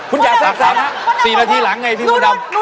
คุณอย่าเสิร์ฟ๓ครับ๔นาทีหลังไงพี่มุดนำก็ได้บอกว่า